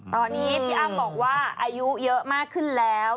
ตอนนี้พี่อ้ำบอกว่าอายุเยอะมากขึ้นแล้ว